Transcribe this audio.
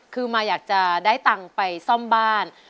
คือมาอยากจะได้ตังค์ไปซ่อมบ้าน